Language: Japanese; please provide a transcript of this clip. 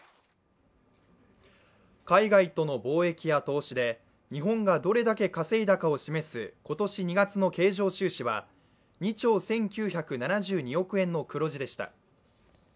海外との貿易や投資で日本がどれだけ稼いだかを示す今年２月の経常収支は、２兆１９７２億円の黒字でした。